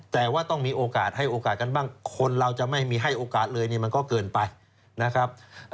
แต่ว่าต้องมีโอกาสให้โอกาสกันบ้างคนเราจะไม่มีให้โอกาสเลยนี่มันก็เกินไปนะครับ